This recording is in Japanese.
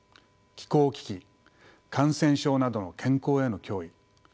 気候危機感染症などの健康への脅威